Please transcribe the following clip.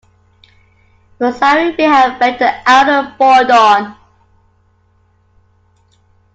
Vasari may have met the elder Bordone.